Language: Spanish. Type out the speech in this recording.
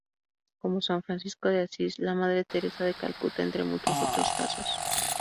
Como San Francisco de Asís, La Madre Teresa de Calcuta entre muchos otros casos.